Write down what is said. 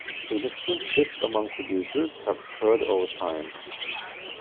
Significant shifts among producers have occurred over time.